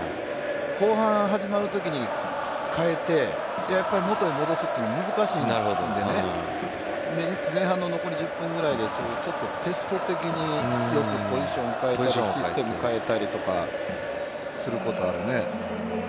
後半が始まるときに変えて、やっぱり元に戻すというのは難しいので前半の残り１０分ぐらいでテスト的によくポジションを変えるとかシステムを変えたりとかすることはあるね。